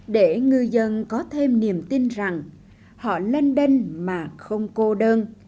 để ngư dân có thêm niềm tin rằng họ lên đênh mà không cô đơn